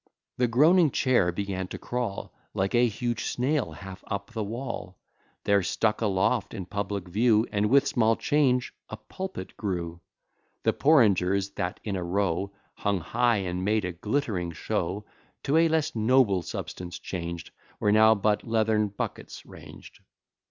The groaning chair began to crawl, Like an huge snail, half up the wall; There stuck aloft in public view, And with small change, a pulpit grew. The porringers, that in a row Hung high, and made a glitt'ring show, To a less noble substance chang'd, Were now but leathern buckets rang'd.